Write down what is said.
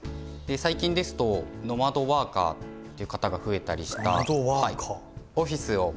最近ですとノマドワーカーって方が増えたりした。